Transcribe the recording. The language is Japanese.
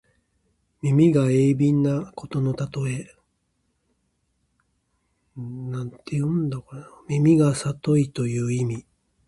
耳が鋭敏なことのたとえ。師曠のように耳がさといという意味。